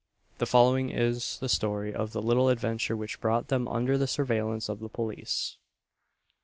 The following is the story of the little adventure which brought them under the surveillance of the police.